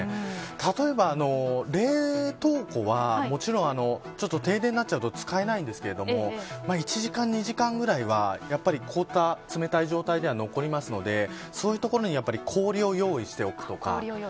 例えば冷凍庫はもちろん停電になっちゃうと使えないんですけど１時間、２時間くらいは凍った冷たい状態で残りますのでそういうところに氷を用意しておくとか。